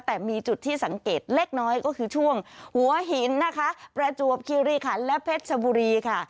แต่มีจุดที่สังเกตเล็กน้อยก็คือช่วงหัวหินนะคะประจวบคิริขันและเพชรชบุรีค่ะ